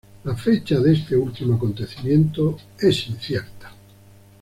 La fecha de este último acontecimiento es incierta.